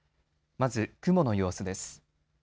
まず雲の様子です。